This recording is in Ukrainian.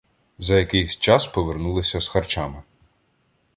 За якийсь час повернулися з харчами.